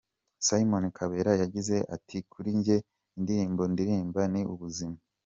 Simoni Kabera yagize ati "Kuri njye indirimbo ndirimba ni ubuzima.